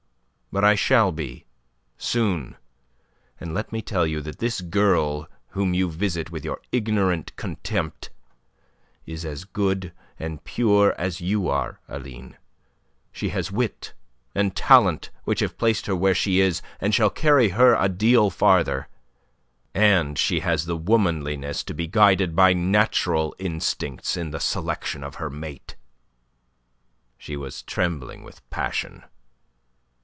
But I shall be, soon. And let me tell you that this girl whom you visit with your ignorant contempt is as good and pure as you are, Aline. She has wit and talent which have placed her where she is and shall carry her a deal farther. And she has the womanliness to be guided by natural instincts in the selection of her mate." She was trembling with passion.